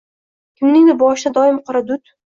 Kimningdir boshida doim qora dud